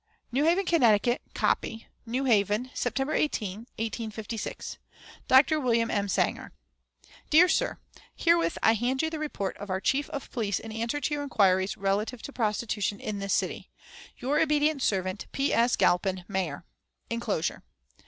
NEW HAVEN, CONN. (Copy.) "New Haven, September 18, 1856. "Dr. WM. W. SANGER: "DEAR SIR, Herewith I hand you the report of our chief of police in answer to your inquiries relative to prostitution in this city. "Your obedient servant, "P. S. GALPIN, Mayor." (Inclosure.)